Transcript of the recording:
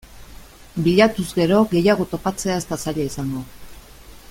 Bilatuz gero gehiago topatzea ez da zaila izango.